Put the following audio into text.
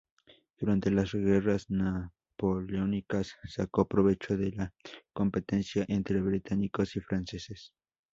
Durante las guerras napoleónicas sacó provecho de la competencia entre británicos y franceses.